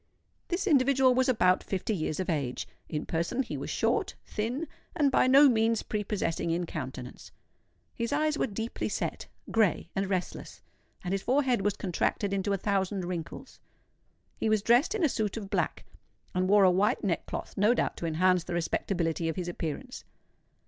This individual was about fifty years of age. In person he was short, thin, and by no means prepossessing in countenance. His eyes were deeply set, grey, and restless; and his forehead was contracted into a thousand wrinkles. He was dressed in a suit of black, and wore a white neckcloth—no doubt to enhance the respectability of his appearance.